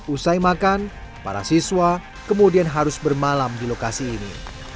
usai makan para siswa kemudian harus bermalam di lokasi ini